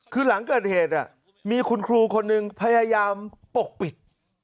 คือหลังเกิดเหตุมีคุณครูคนหนึ่งพยายามปกปิด